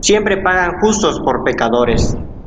Siempre pagan justos por pecadores.